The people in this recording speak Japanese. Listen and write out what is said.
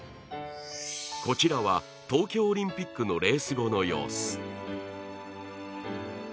こちらは、東京オリンピックのレース後の様子。